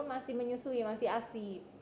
masih menyusui masih asli